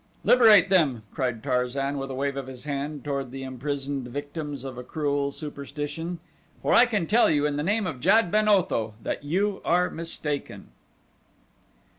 "Liberate them!" cried Tarzan with a wave of his hand toward the imprisoned victims of a cruel superstition, "for I can tell you in the name of Jad ben Otho that you are mistaken."